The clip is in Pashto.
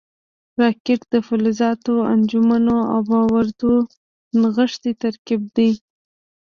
راکټ د فلزاتو، انجنونو او بارودو نغښتی ترکیب دی